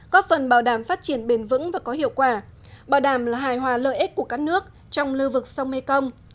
góp phần bảo đảm phát triển bền vững và có hiệu quả bảo đảm là hài hòa lợi ích của các nước trong lưu vực sông mekong